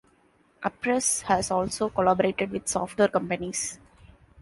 Apress has also collaborated with software companies.